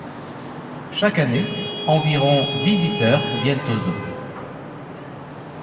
Chaque année, environ visiteurs viennent au zoo.